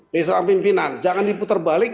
di seorang pimpinan jangan diputar balik